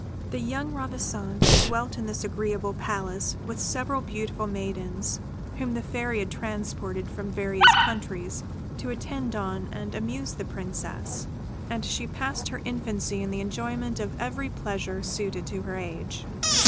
The young Ravissante dwelt in this agreeable palace, with several beautiful maidens, whom the Fairy had transported from various countries to attend on and amuse the Princess, and she passed her infancy in the enjoyment of every pleasure suited to her age.